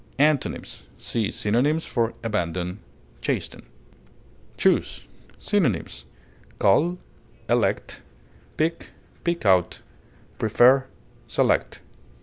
Antonyms: See synonyms for ABANDON; CHASTEN. CHOOSE. Synonyms: cull, elect, pick, pick out, prefer, select.